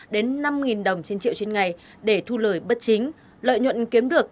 đến năm đồng trên triệu trên ngày để thu lời bất chính lợi nhuận kiếm được